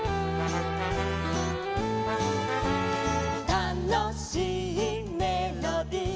「たのしいメロディ」